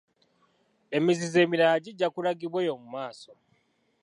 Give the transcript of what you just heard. Emizizo emirala gijja kulagibwa eyo mu maaso.